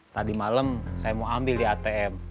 tadi malam saya mau ambil di atm